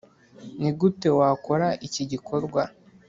Ni gute Wakora iki gikorwa?